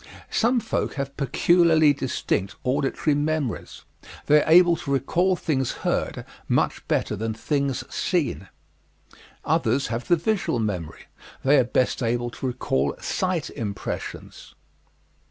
Some folk have peculiarly distinct auditory memories; they are able to recall things heard much better than things seen. Others have the visual memory; they are best able to recall sight impressions.